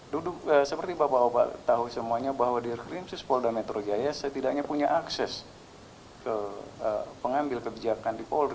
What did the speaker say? duduk seperti bapak bapak tahu semuanya bahwa di rekrim suspolda metro jaya setidaknya punya akses ke pengambil kebijakan di polri